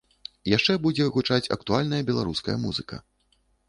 Яшчэ будзе гучаць актуальная беларуская музыка.